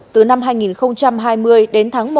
từ năm hai nghìn hai mươi đến tháng một